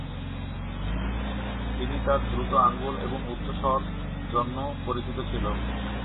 তিনি তার দ্রুত আঙ্গুল এবং উচ্চ স্বর জন্য পরিচিত ছিল।